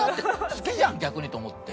好きじゃん逆に！と思って。